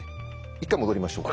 一回戻りましょうか。